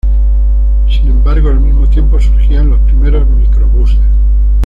Sin embargo, al mismo tiempo surgían los primeros microbuses.